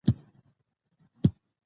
دښتې د افغان ماشومانو د زده کړې موضوع ده.